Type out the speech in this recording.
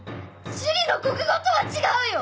樹里の国語とは違うよ。